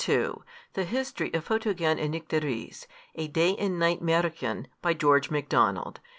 ] THE HISTORY OF PHOTOGEN AND NYCTERIS. A Day and Night Mährchen. BY GEORGE MACDONALD.